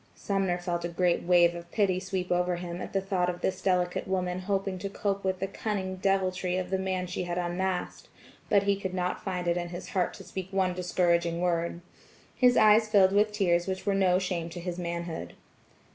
Sumner felt a great wave of pity sweep over him at the thought of this delicate woman hoping to cope with the cunning deviltry of the man she had unmasked; but he could not find it in his heart to speak one discouraging word. His eyes filled with tears which were no shame to his manhood.